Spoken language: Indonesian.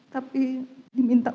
tapi diminta untuk